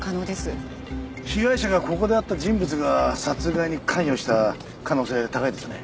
被害者がここで会った人物が殺害に関与した可能性高いですね。